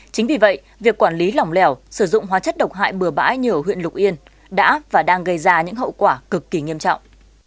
chính vì vậy việc quản lý lỏng lẻo sử dụng hóa chất độc hại bừa bãi như ở huyện lục yên đã và đang gây ra những hậu quả cực kỳ nghiêm trọng